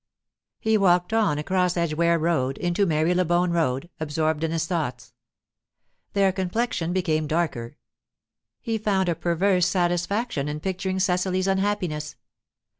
He walked on, across Edgware Road, into Marylebone Road, absorbed in his thoughts. Their complexion became darker. He found a perverse satisfaction in picturing Cecily's unhappiness.